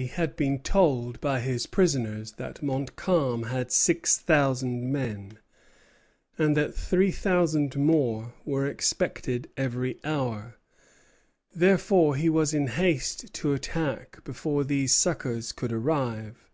Abercromby had been told by his prisoners that Montcalm had six thousand men, and that three thousand more were expected every hour. Therefore he was in haste to attack before these succors could arrive.